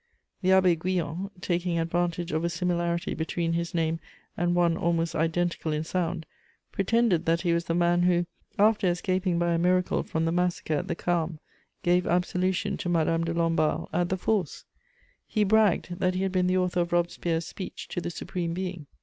The Abbé Guillon, taking advantage of a similarity between his name and one almost identical in sound, pretended that he was the man who, after escaping by a miracle from the massacre at the Carmes, gave absolution to Madame de Lamballe at the Force. He bragged that he had been the author of Robespierre's speech to the Supreme Being.